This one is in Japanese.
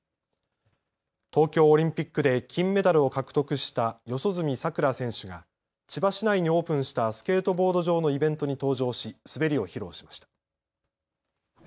東京オリンピックで金メダルを獲得した四十住さくら選手が千葉市内にオープンしたスケートボード場のイベントに登場し、滑りを披露しました。